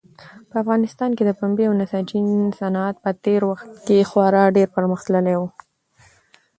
د افغانستان د پنبې او نساجي صنعت په تېر کې خورا ډېر پرمختللی و.